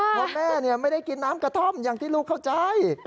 เพราะแม่ไม่ได้กินน้ำกระท่อมอย่างที่ลูกเข้าใจ